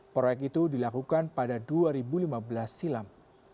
proyek itu dilakukan pada dua ribu lima belas silam